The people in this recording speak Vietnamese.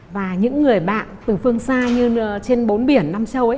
và những người bạn từ phương xa như trên bốn biển năm châu ấy